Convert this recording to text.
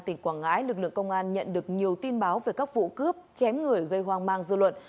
tỉnh quảng ngãi lực lượng công an nhận được nhiều tin báo về các vụ cướp chém người gây hoang mang dư luận